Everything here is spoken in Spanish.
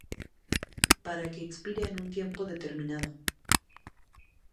para que expire en un tiempo determinado